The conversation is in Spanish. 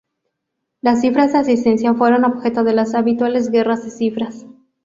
Las cifras de asistencia fueron objeto de las habituales guerras de cifras.